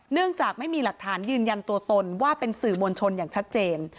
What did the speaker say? เนื่องจากไม่มีหลักฐานยืนยันตัวตนว่าเป็นสื่อมวลชนอย่างชัดเจน